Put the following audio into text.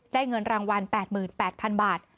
เงินรางวัล๘๘๐๐๐บาท